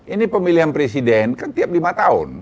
ini pemilihan presiden kan tiap lima tahun